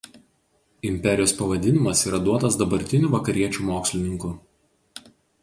Imperijos pavadinimas yra duotas dabartinių vakariečių mokslininkų.